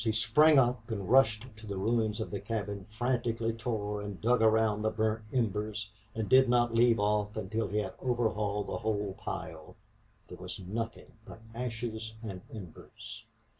He sprang up and rushed to the ruins of the cabin, frantically tore and dug around the burnt embers, and did not leave off until he had overhauled the whole pile. There was nothing but ashes and embers.